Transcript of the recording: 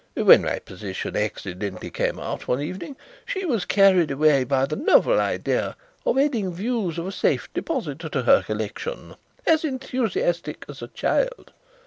When my position accidentally came out one evening she was carried away by the novel idea of adding views of a safe deposit to her collection as enthusiastic as a child.